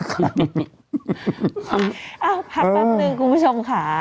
พักแป๊บนึงคุณผู้ชมค่ะ